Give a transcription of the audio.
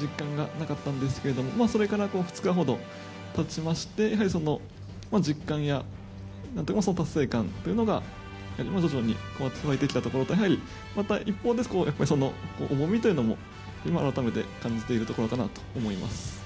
実感がなかったんですけれども、それから２日ほどたちまして、やはり実感や達成感というのが、徐々に湧いてきたところと、やはり、また一方でその重みというのも、今改めて感じているところかなと思います。